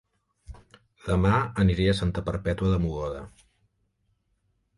Dema aniré a Santa Perpètua de Mogoda